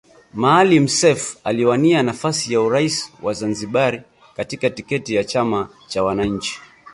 Maalim Seif aliwania nafasi ya urais wa Zanzibari kwa tiketi ya chama cha wananchi